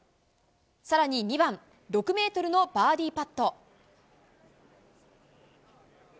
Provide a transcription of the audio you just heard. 更に２番６ｍのバーディーパット。